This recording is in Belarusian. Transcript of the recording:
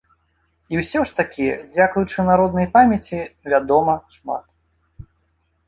І ўсё ж такі, дзякуючы народнай памяці, вядома шмат.